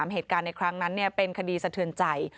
เหตุการณ์ในครั้งนั้นเป็นคดีสะเทือนใจ